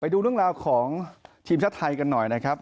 ดูเรื่องราวของทีมชาติไทยกันหน่อยนะครับ